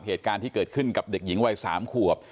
เหตุการณ์ที่เกิดขึ้นกับเด็กหญิงวัย๓ขวบ